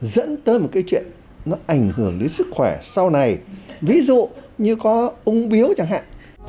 dẫn tới một cái chuyện nó ảnh hưởng đến sức khỏe sau này ví dụ như có ung biếu chẳng hạn